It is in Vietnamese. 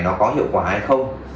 nó có hiệu quả hay không